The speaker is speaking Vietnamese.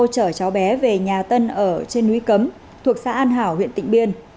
chở cháu bé về nhà tân ở trên núi cấm thuộc xã an hảo huyện tịnh biên